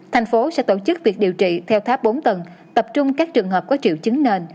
thành phố sẽ tổ chức việc điều trị theo tháp bốn tầng tập trung các trường hợp có triệu chứng nền